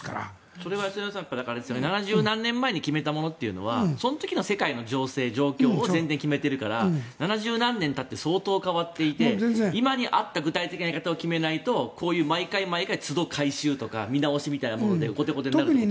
それは７０何年前に決めたものはその時の世界の情勢、状況を前提に決めているから７０何年たって相当変わっていて今に合った具体的なやり方を決めないとこういう毎回毎回つど改修とか見直しで後手後手になるということですね。